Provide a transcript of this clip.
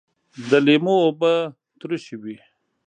د لیمو اوبه ترشی وي